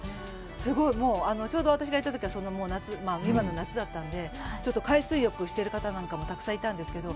すごい、ちょうど私が行ったときは夏、夏だったので、海水浴をしている方もたくさんいたんですけど。